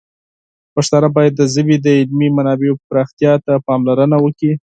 پښتانه باید د ژبې د علمي منابعو پراختیا ته پاملرنه وکړي.